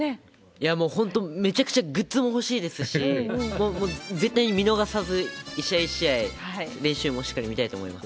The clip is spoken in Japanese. いやもう本当、めちゃくちゃグッズも欲しいですし、絶対に見逃さず、一試合一試合練習もしっかり見たいと思います。